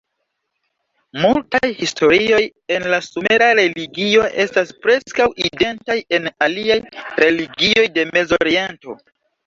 Multaj historioj en la sumera religio estas preskaŭ identaj en aliaj religioj de Mezoriento.